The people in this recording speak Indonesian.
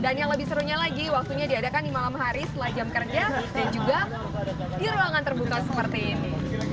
dan yang lebih serunya lagi waktunya diadakan di malam hari setelah jam kerja dan juga di ruangan terbuka seperti ini